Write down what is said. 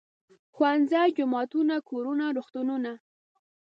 ښوونځي، جوماتونه، کورونه، روغتونونه.